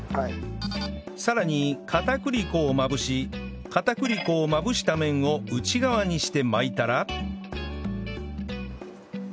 さらに片栗粉をまぶし片栗粉をまぶした面を内側にして巻いたら